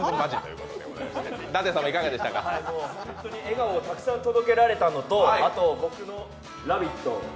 笑顔をたくさん届けられたのとあと僕の「ラヴィット！」